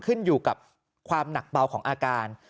ขึ้นอยู่กับความหนักเบาของอาการ